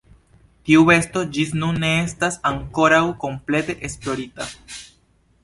Tiu besto ĝis nun ne estas ankoraŭ komplete esplorita.